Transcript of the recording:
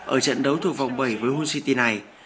ở trận đấu thuộc vòng bảy với homes city này